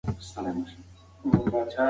ما په ډېرې کرارۍ ورته وویل.